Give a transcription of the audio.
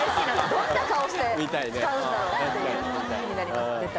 どんな顔して使うんだろうっていうのが気になりました。